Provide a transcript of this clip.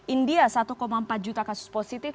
india satu empat juta kasus positif